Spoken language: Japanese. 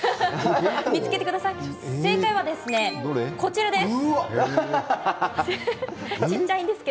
正解は、こちらです。